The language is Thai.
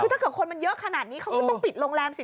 คือถ้าเกิดคนมันเยอะขนาดนี้เขาก็ต้องปิดโรงแรมสิ